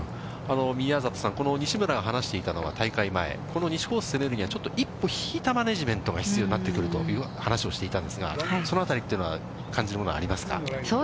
宮里さん、この西村が話していたのは大会前、この西コースにはちょっと一歩引いたマネジメントが必要になってくるという話をしていたんですが、そのあたりっていうのは、感じるものはありますか。